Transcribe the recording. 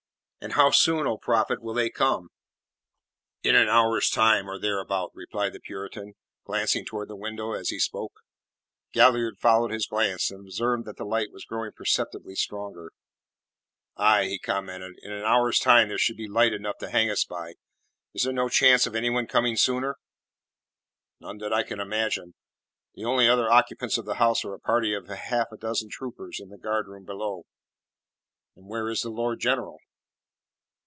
"And how soon, O prophet, will they come?" "In an hour's time, or thereabout," replied the Puritan, glancing towards the window as he spoke. Galliard followed his glance, and observed that the light was growing perceptibly stronger. "Aye," he commented, "in an hour's time there should be light enough to hang us by. Is there no chance of anyone coming sooner?" "None that I can imagine. The only other occupants of the house are a party of half a dozen troopers in the guardroom below." "Where is the Lord General?"